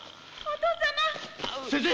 先生！